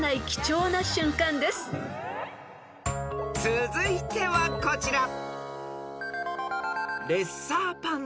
［続いてはこちら］